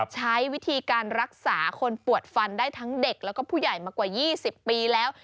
ใช้วิธีการรักษาคนปวดฟันได้ทั้งเด็กแล้วก็ผู้ใหญ่มากว่า๒๐ปีแล้ว